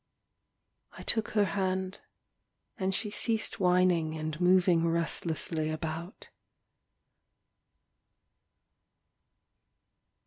I took her hand, and she ceased whining and moving restlessly about.